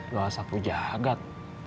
doa sapu jagad